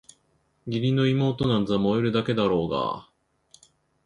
義理の妹なんざ萌えるだけだろうがあ！